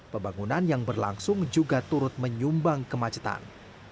pembangunan yang berlangsung juga turut menyumbang kemacetan